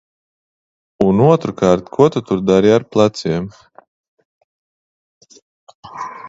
Un, otrkārt, ko tu tur dari ar pleciem?